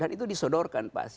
dan itu disodorkan pasti